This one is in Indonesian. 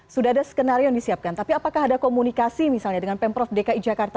sudah ada skenario yang disiapkan tapi apakah ada komunikasi misalnya dengan pemprov dki jakarta